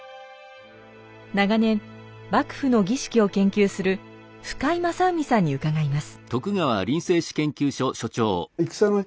長年幕府の儀式を研究する深井雅海さんに伺います。